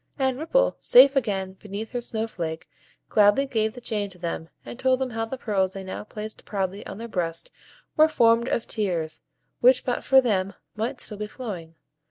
And Ripple, safe again beneath her snow flake, gladly gave the chain to them; and told them how the pearls they now placed proudly on their breasts were formed of tears, which but for them might still be flowing.